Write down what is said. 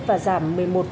và giảm một mươi một